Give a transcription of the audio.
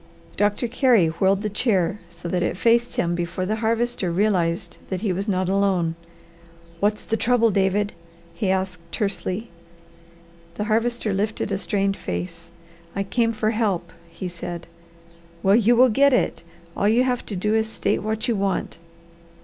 Doctor Carey whirled the chair so that it faced him before the Harvester realized that he was not alone. "What's the trouble, David?" he asked tersely. The Harvester lifted a strained face. "I came for help," he said. "Well you will get it! All you have to do is to state what you want."